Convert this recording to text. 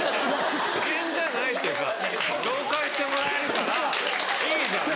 危険じゃないっていうか紹介してもらえるからいいじゃん。